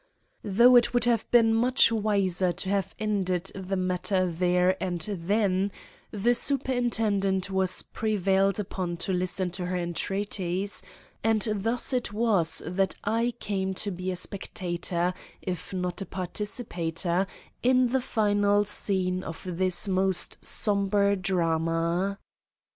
Though it would have been much wiser to have ended the matter there and then, the Superintendent was prevailed upon to listen to her entreaties, and thus it was that I came to be a spectator, if not a participator, in the final scene of this most sombre drama.